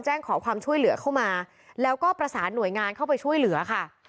ขอความช่วยเหลือเข้ามาแล้วก็ประสานหน่วยงานเข้าไปช่วยเหลือค่ะ